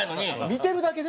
見てるだけで？